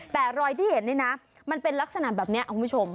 แต่รอยที่เห็นนี่นะมันเป็นลักษณะแบบนี้คุณผู้ชม